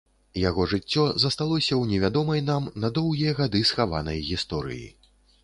Яго жыццё засталося ў невядомай нам, на доўгія гады схаванай, гісторыі.